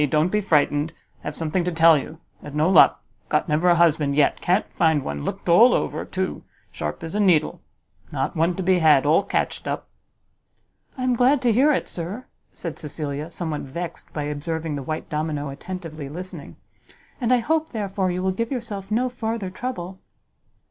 don't be frightened. Have something to tell you; had no luck! got never a husband yet! can't find one! looked all over, too; sharp as a needle. Not one to be had! all catched up!" "I am glad to hear it, sir," said Cecilia, somewhat vexed by observing the white domino attentively listening; "and I hope, therefore, you will give yourself no farther trouble."